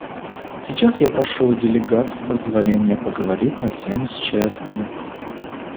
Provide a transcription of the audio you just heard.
Сейчас я прошу у делегатов позволения поговорить на тему счастья.